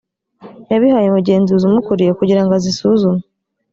yabihaye umugenzuzi umukuriye kugira ngo azisuzume